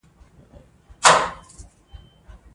ته د خپل صداقت، زحمت او